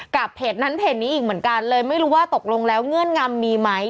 เพจนั้นเพจนี้อีกเหมือนกันเลยไม่รู้ว่าตกลงแล้วเงื่อนงำมีไหม